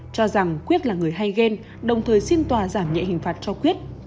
cho rằng khuyết là người hay ghen đồng thời xin tòa giảm nhẹ hình phạt cho khuyết